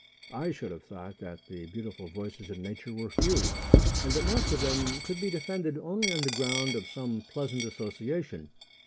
I should have thought that the beautiful voices in nature were few, and that most of them could be defended only on the ground of some pleasant association.